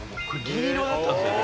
銀色だったんすね